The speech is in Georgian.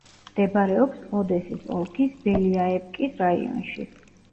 მდებარეობს ოდესის ოლქის ბელიაევკის რაიონში.